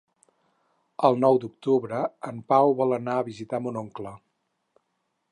El nou d'octubre en Pau vol anar a visitar mon oncle.